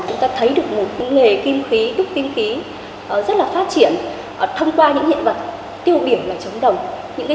sẽ dẫn chúng ta đi tham quan những di vật ấy